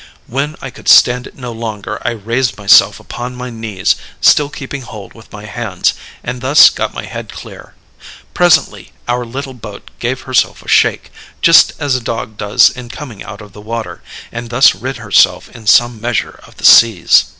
When I could stand it no longer I raised myself upon my knees, still keeping hold with my hands, and thus got my head clear. Presently our little boat gave herself a shake, just as a dog does in coming out of the water, and thus rid herself in some measure of the seas.